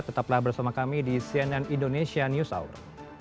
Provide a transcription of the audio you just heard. tetaplah bersama kami di cnn indonesia news hour